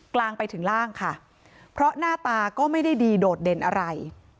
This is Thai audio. กลางไปถึงล่างค่ะเพราะหน้าตาก็ไม่ได้ดีโดดเด่นอะไร